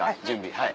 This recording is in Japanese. はい。